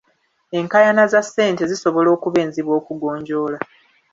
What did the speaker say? Enkaayana za ssente zisobola okuba enzibu okugonjoola.